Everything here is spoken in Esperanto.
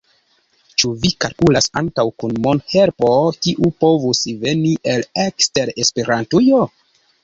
Ĉu vi kalkulas ankaŭ kun mon-helpo kiu povus veni el ekster Esperantujo?